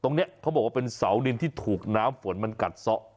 ตรงนี้เขาบอกว่าเป็นเสาดินที่ถูกน้ำฝนมันกัดซะ